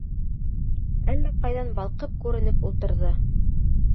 Әллә ҡайҙан балҡып күренеп ултырҙы.